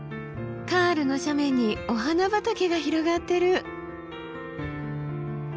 カールの斜面にお花畑が広がってる！